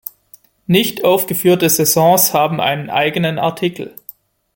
Nicht aufgeführte Saisons haben einen eigenen Artikel.